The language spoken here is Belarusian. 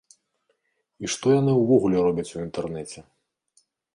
І што яны ўвогуле робяць у інтэрнэце?